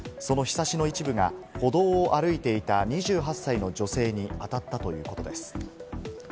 そのひさしの一部が歩道を歩いていた２８歳の女性に当たったということです。